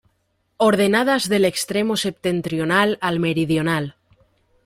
Ordenadas del extremo septentrional al meridional.